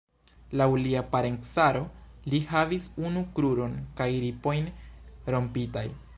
Laŭ lia parencaro, li havis unu kruron kaj ripojn rompitaj.